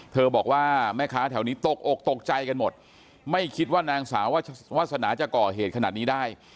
บอกว่าแม่ค้าแถวนี้ตกอกตกใจกันหมดไม่คิดว่านางสาววาสนาจะก่อเหตุขนาดนี้ได้